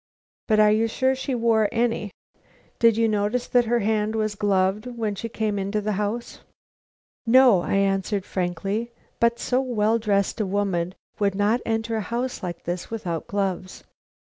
"But are you sure she wore any? Did you notice that her hand was gloved when she came into the house?" "No," I answered, frankly; "but so well dressed a woman would not enter a house like this, without gloves."